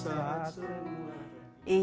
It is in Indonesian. saat semua menghilang